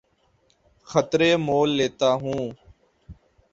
خطرے مول لیتا ہوں